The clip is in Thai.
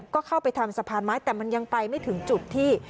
ก็เข้าไปทำสะพานไม้แต่มันยังไปไม่ถึงจุดที่